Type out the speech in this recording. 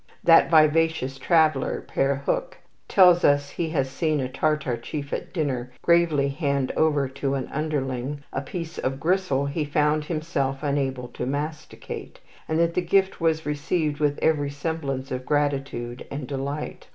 That vivacious traveller, Pere Huc, tells us he has seen a Tartar chief at dinner gravely hand over to an underling a piece of gristle he found himself unable to masticate, and that the gift was received with every semblance of gratitude and delight.